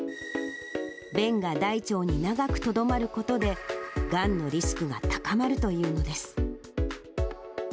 便が大腸に長くとどまることで、がんのリスクが高まるというのです。